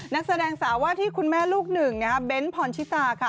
นักแสดงสาวว่าที่คุณแม่ลูกหนึ่งเบนท์ผ่อนชิตา